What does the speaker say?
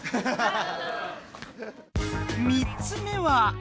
３つ目は？